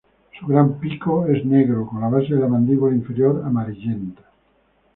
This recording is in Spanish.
Su gran pico es negro con la base de la mandíbula inferior amarillenta.